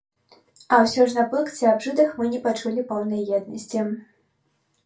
А ўсё ж на пункце аб жыдах мы не пачулі поўнай еднасці.